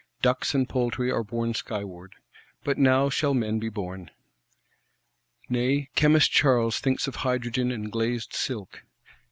Ducks and poultry are borne skyward: but now shall men be borne. Nay, Chemist Charles thinks of hydrogen and glazed silk.